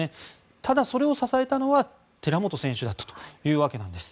ただ、それを支えたのは寺本選手だったというわけなんです。